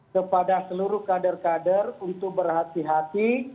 kepada seluruh kader kader untuk berhati hati